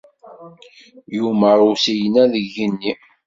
Yumeṛ i usigna deg yigenni.